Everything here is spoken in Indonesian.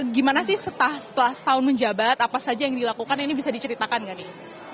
gimana sih setelah setahun menjabat apa saja yang dilakukan ini bisa diceritakan nggak nih